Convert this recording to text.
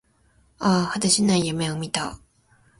ああ、果てしない夢を見た